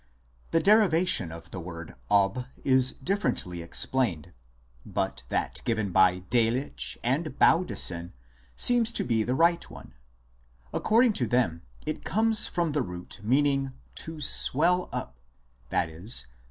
1 The derivation of the word Ob is differently explained, but that given by Delitzsch and Baudissin seems to be the right one ; according to them it comes from the root meaning " to swell up," i.e.